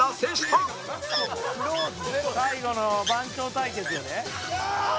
「最後の番長対決やで」